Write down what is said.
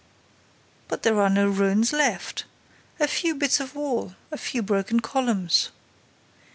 "But there are no ruins left!—A few bits of wall!—A few broken columns!"